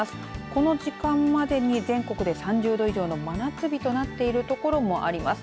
この時間までに全国で３０度以上の真夏日となっている所もあります。